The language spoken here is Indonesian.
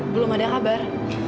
belum ada kabar